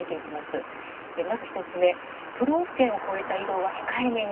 まず１つ目都道府県を越えた移動は控えめに。